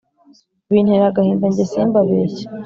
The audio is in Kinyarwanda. bintera agahinda jye simbabeshye